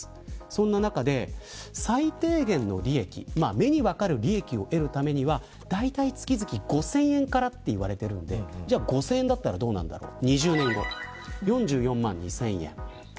そんな中で、最低限の利益目に分かる利益を得るためには大体月々５０００円からと言われているので５０００円だったらどうなるんだろう。